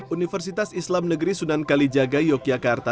universitas islam negeri sunan kalijaga yogyakarta